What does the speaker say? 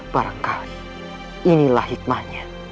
barangkali inilah hikmahnya